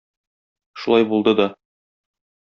Шулай булды да.